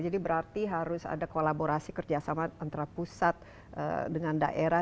jadi berarti harus ada kolaborasi kerjasama antara pusat dengan daerah